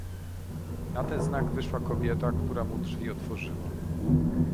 "Na ten znak wyszła kobieta, która mu drzwi otworzyła."